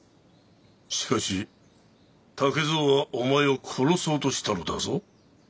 しかし竹蔵はお前を殺そうとしたのだぞ。